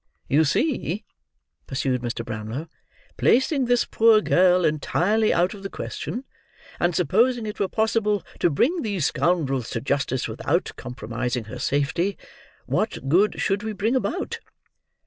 "You see," pursued Mr. Brownlow; "placing this poor girl entirely out of the question, and supposing it were possible to bring these scoundrels to justice without compromising her safety, what good should we bring about?"